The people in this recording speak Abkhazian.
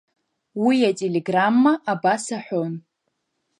Уи ателеграмма абас аҳәон…